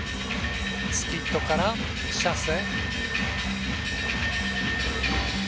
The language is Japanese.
スキッドからシャッセ。